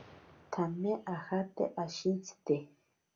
Tsame ajate ashintsite.